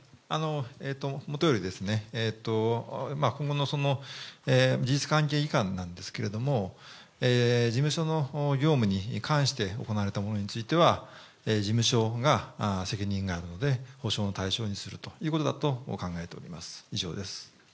元よりですね、今後のその事実関係いかんなんですけれども、事務所の業務に関して行われたものについては、事務所が責任があるので、補償の対象にするということだと考えております。